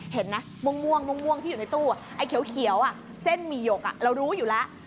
เห็นไหมม่วงที่อยู่ในตู้ไอ้เขียวเส้นหมี่หยกเรารู้อยู่แล้ว